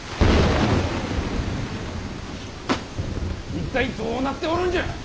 一体どうなっておるんじゃ！